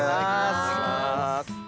いただきます。